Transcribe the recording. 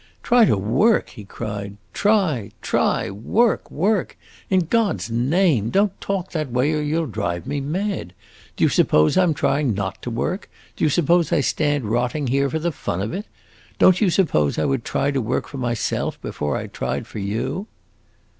"Try to work!" he cried. "Try try! work work! In God's name don't talk that way, or you 'll drive me mad! Do you suppose I 'm trying not to work? Do you suppose I stand rotting here for the fun of it? Don't you suppose I would try to work for myself before I tried for you?"